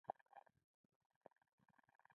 غواړو ټاکنې دي هره ورځ پیل شي.